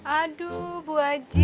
aduh bu aji